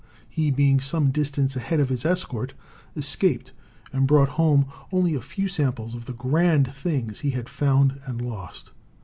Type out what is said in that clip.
He, being some distance ahead of his escort, escaped, and brought home only a few samples of the grand things he had found and lost.